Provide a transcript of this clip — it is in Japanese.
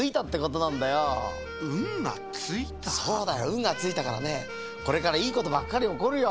ウンがついたからねこれからいいことばっかりおこるよ。